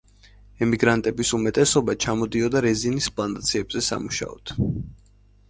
ემიგრანტების უმეტესობა ჩამოდიოდა რეზინის პლანტაციებზე სამუშაოდ.